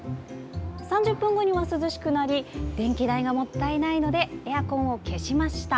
３０分後には涼しくなり電気代がもったいないのでエアコンを消しました。